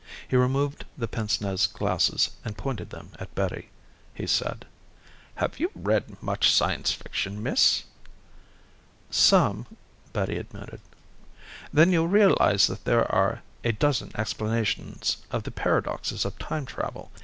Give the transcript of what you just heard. He removed the pince nez glasses and pointed them at Betty. He said, "Have you read much science fiction, Miss?" "Some," Betty admitted. "Then you'll realize that there are a dozen explanations of the paradoxes of time travel.